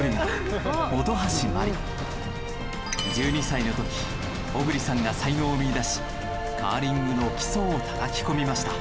１２歳の時小栗さんが才能を見いだしカーリングの基礎をたたき込みました。